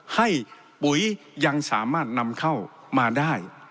ปุ๋ยยังสามารถนำเข้ามาได้